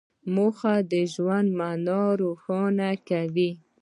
موخه د ژوند مانا روښانه کوي.